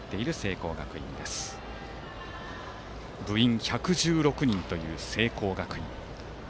部員１１６人という聖光学院。